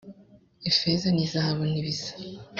ifeza n ‘izahabu ntibisa.